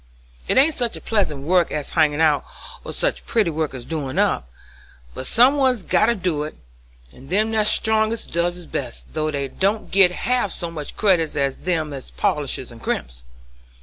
It ain't such pleasant work as hangin' out, or such pretty work as doin' up, but some one's got to do it, and them that's strongest does it best, though they don't git half so much credit as them as polishes and crimps.